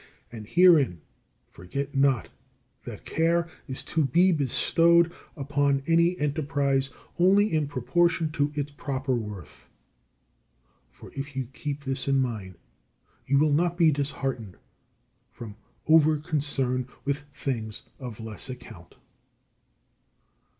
And, herein, forget not that care is to be bestowed on any enterprise only in proportion to its proper worth. For if you keep this in mind you will not be disheartened from over concern with things of less account.